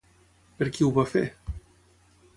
Per qui ho va fer?